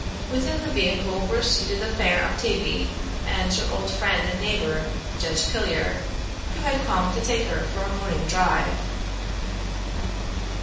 Within the vehicle were seated the fair Octavie and her old friend and neighbor, Judge Pillier, who had come to take her for a morning drive.